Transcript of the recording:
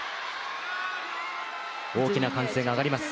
大きな歓声が上がります。